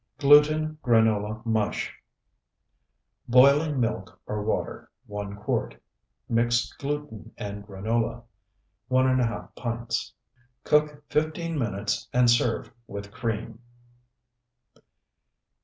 GLUTEN GRANOLA MUSH Boiling milk or water, 1 quart. Mixed gluten and granola, 1½ pints. Cook fifteen minutes, and serve with cream.